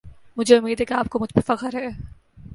مجھے اُمّید ہے کی اپ کو مجھ پر فخر ہے۔